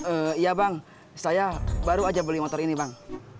iya bang saya baru aja beli motor ini bang